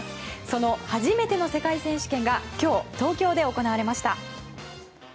その初めての世界選手権が今日、東京で行われました。